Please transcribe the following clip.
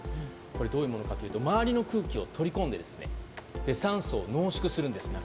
どういうものかというと周りの空気を取り込んで酸素を中で濃縮するんです。